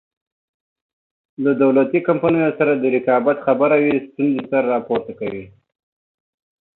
له دولتي کمپنیو سره د رقابت خبره وي ستونزې سر راپورته کوي.